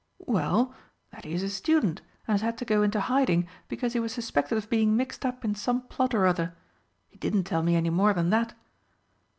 "Well, that he is a student and has had to go into hiding because he was suspected of being mixed up in some plot or other. He didn't tell me any more than that."